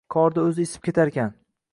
Qorda o‘zi isib ketarkan.